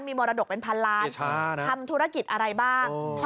มีมรดกเป็นพันล้านทำธุรกิจอะไรบ้าง